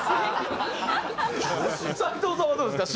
斎藤さんはどうですか？